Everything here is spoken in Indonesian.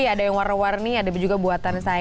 ada yang warna warni ada juga buatan saya